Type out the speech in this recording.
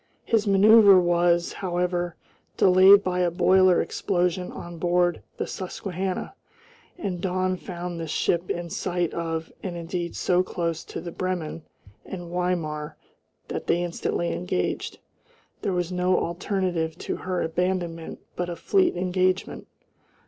His manoeuvre was, however, delayed by a boiler explosion on board the Susquehanna, and dawn found this ship in sight of and indeed so close to the Bremen and Weimar that they instantly engaged. There was no alternative to her abandonment but a fleet engagement.